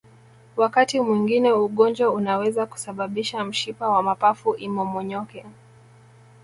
Wakati mwingine ugonjwa unaweza kusababisha mshipa wa mapafu imomonyoke